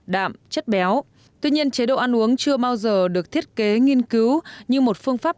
đạm chất béo tuy nhiên chế độ ăn uống chưa bao giờ được thiết kế nghiên cứu như một phương pháp